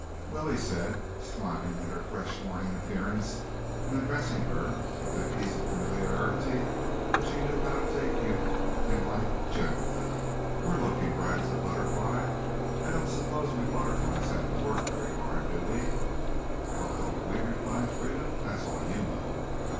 "Well," he said, smiling at her fresh morning appearance, and addressing her with that easy familiarity with which he knew how to take youth and life generally, "we're looking as bright as a butterfly. I don't suppose we butterflies have to work very hard, do we?" "Oh, don't we," replied Frieda. "That's all you know."